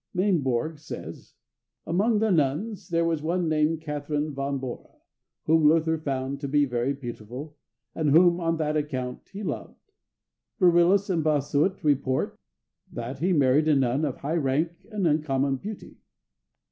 Maimbourg says, "Among the nuns, there was one named Catharine von Bora, whom Luther found to be very beautiful, and whom, on that account, he loved." Varillas and Bossuet report, "That he married a nun of high rank and uncommon beauty."